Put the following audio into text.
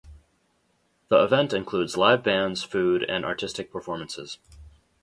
The event includes live bands, food, and artistic performances.